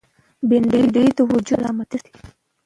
بېنډۍ د وجود سلامت ساتي